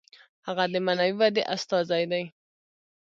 هغه د معنوي ودې استازی دی.